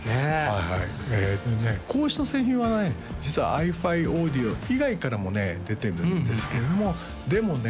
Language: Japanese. はいはいこうした製品はね実はｉＦｉａｕｄｉｏ以外からもね出てるんですけれどもでもね